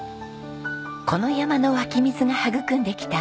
この山の湧き水が育んできた男ノ